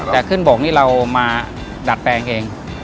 แต่ขึ้นบกนี่เรามาดัดแปลงเอง